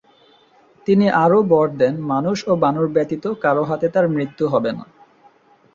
তিনি আরও বর দেন মানুষ ও বানর ব্যতীত কারো হাতে তার মৃত্যু হবে না।